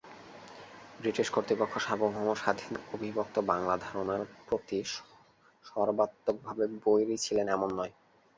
British কর্তৃপক্ষ সার্বভৌম স্বাধীন অবিভক্ত বাংলা ধারণার প্রতি সর্বাত্মকভাবে বৈরী ছিলেন এমন নয়।